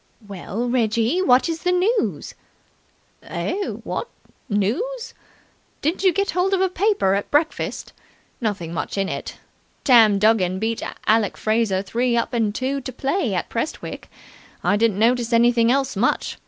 "Well, Reggie, what is the news?" "Eh? What? News? Didn't you get hold of a paper at breakfast? Nothing much in it. Tam Duggan beat Alec Fraser three up and two to play at Prestwick. I didn't notice anything else much.